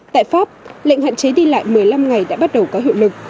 tại pháp lệnh hạn chế đi lại một mươi năm ngày đã bắt đầu có hiệu lực